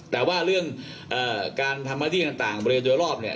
แต่ว่าเรื่องการทำหน้าที่ต่างบริเวณโดยรอบเนี่ย